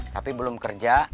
tapi belum kerja